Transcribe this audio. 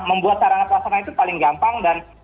membuat sarana pelaksanaan itu paling gampang dan